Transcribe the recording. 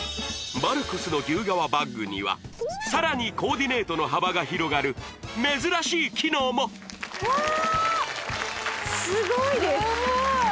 バルコスの牛革バッグにはさらにコーディネートの幅が広がる珍しい機能もわあーっ！